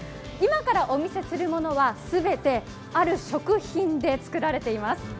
今からお見せするものは全てある食品で作られています。